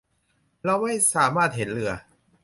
เราไม่สามารถเห็นเรือ